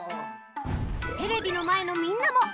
テレビのまえのみんなもん？